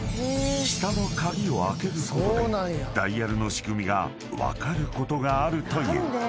［下の鍵を開けることでダイヤルの仕組みが分かることがあるという］